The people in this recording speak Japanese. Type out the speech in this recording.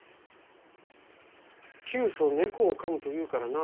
「窮鼠猫をかむ」というからな。